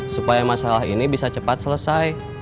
supaya masalah ini bisa cepat selesai